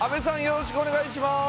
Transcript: よろしくお願いします。